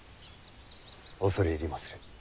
恐れ入りまする。